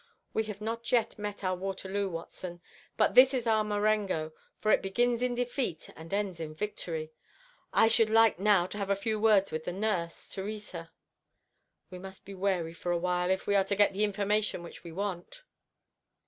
We have not yet met our Waterloo, Watson, but this is our Marengo, for it begins in defeat and ends in victory. I should like now to have a few words with the nurse Theresa. We must be wary for awhile, if we are to get the information which we want."